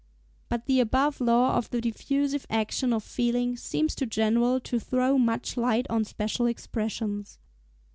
But the above law of the diffusive action of feelings seems too general to throw much light on special expressions.